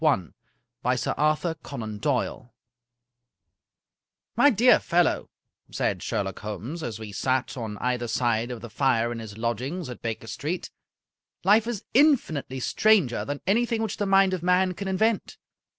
Conan Doyle A Case of Identity "lyTY dear fellow," said Sherlock Holmes, as we sat on either side of the fire in his lodgings at Baker Street, " life is infinitely stranger than anything which the mind of man can invent.